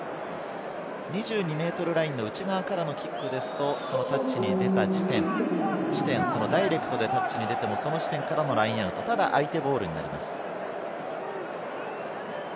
２２ｍラインの内側からのキックですと、タッチに出た時点、ダイレクトでタッチに出ても、その地点からのラインアウト、ただ、相手ボールになります。